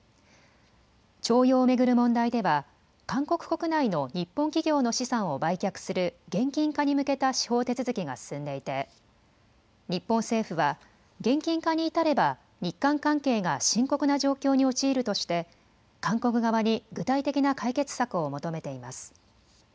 徴用を巡る問題では韓国国内の日本企業の資産を売却する現金化に向けた司法手続きが進んでいて日本政府は現金化に至れば日韓関係が深刻な状況に陥るとして韓国側に具体的な解決策を求めています。